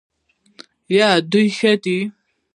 یادول ښه دی.